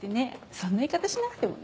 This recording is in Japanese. そんな言い方しなくてもねぇ。